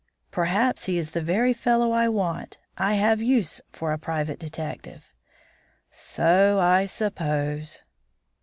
"Perhaps he's the very fellow I want. I have use for a private detective." "So I suppose."